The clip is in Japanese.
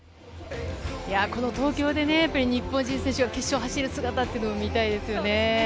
この東京で日本人選手が決勝を走る姿を見たいですよね。